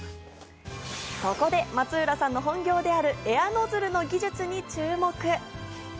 そこで松浦さんの本業であるエアノズルの技術に注目！